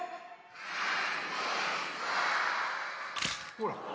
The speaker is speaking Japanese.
ほら！